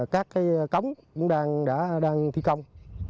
các cống cũng đang thi công